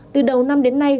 từ đầu năm đến nay